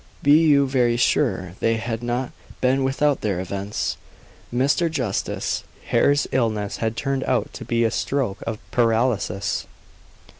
Be you very sure they had not been without their events. Mr. Justice Hare's illness had turned out to be a stroke of paralysis.